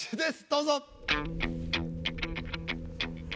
どうぞ。